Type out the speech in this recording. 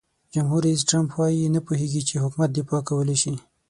جمهور رئیس ټرمپ وایي نه پوهیږي چې حکومت دفاع کولای شي.